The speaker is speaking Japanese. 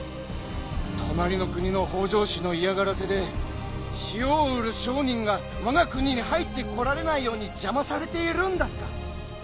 となりの国の北条氏のいやがらせで塩を売る商人がわが国に入ってこられないようにじゃまされているんだった。